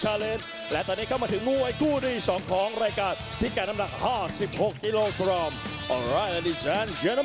เอาละครับคุณผู้ชมพันเต่อเราพักเลยสักครู่นะครับ